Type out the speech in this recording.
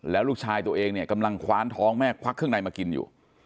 แล้วลูกชายตัวเองเนี่ยกำลังคว้านท้องแม่ควักเครื่องในมากินอยู่